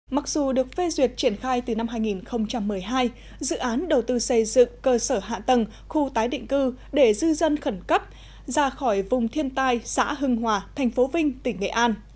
mặc dù được phê duyệt triển khai từ năm hai nghìn một mươi hai dự án đầu tư xây dựng cơ sở hạ tầng khu tái định cư để dư dân khẩn cấp ra khỏi vùng thiên tai xã hưng hòa thành phố vinh tỉnh nghệ an